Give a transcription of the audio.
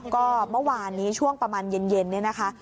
ก็เมื่อวานนี้ช่วงประมาณเย็นเนี่ยนะคะ